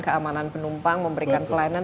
keamanan penumpang memberikan pelayanan